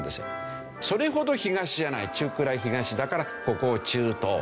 それほど東じゃない中くらい東だからここを中東。